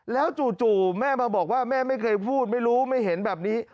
แล้วจู่แม่มาบอกว่าแม่ไม่เคยพูดไม่รู้ไม่เห็นแบบนี้